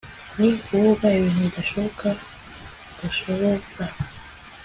ni ukuvuga ibintu bidashoboka bidashobora